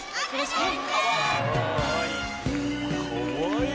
かわいい！